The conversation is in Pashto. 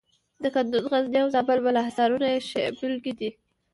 د کندز، غزني او زابل بالا حصارونه یې ښې بېلګې دي.